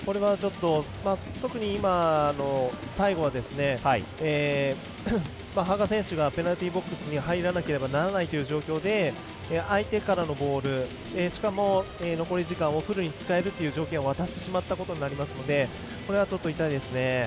特に今の最後は羽賀選手ペナルティーボックスに入らなければならないという状況で、相手からのボールしかも残り時間をフルに使えるという条件を渡してしまったということになりますのでこれは痛いですね。